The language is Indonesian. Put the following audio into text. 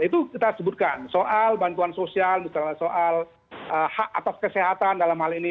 itu kita sebutkan soal bantuan sosial misalnya soal hak atas kesehatan dalam hal ini